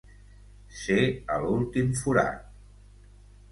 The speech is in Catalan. Ser a l'últim forat.